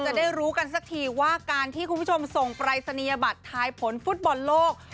จะได้รู้กันสักทีว่าการที่คุณผู้ชมส่งปรายศนียบัตรทายผลฟุตบอลโลก